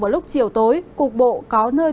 vào lúc chiều tối cục bộ có nơi